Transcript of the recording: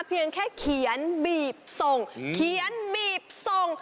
เพียงแค่เขียนบีบส่งเขียนบีบส่ง